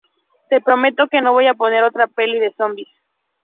Te prometo que no voy a poner otra peli de zombis.